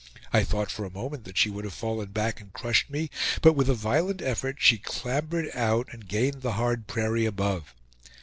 I thought for a moment that she would have fallen back and crushed me, but with a violent effort she clambered out and gained the hard prairie above.